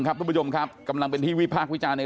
ครับพระประดับหน้าบุญครับกำลังเป็นทีวีพราควิจัยใน